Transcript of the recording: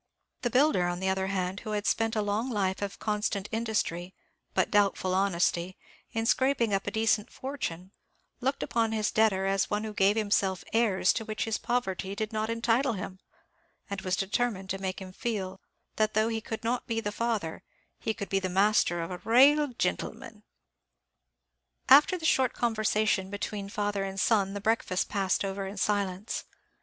The builder, on the other hand, who had spent a long life of constant industry, but doubtful honesty, in scraping up a decent fortune, looked on his debtor as one who gave himself airs to which his poverty did not entitle him; and was determined to make him feel that though he could not be the father, he could be the master of a "rale gintleman." After the short conversation between father and son the breakfast passed over in silence.